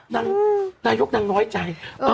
นายกน้อยใจ